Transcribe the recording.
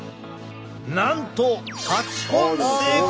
なんと８本成功！